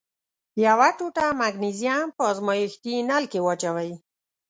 یوه ټوټه مګنیزیم په ازمیښتي نل کې واچوئ.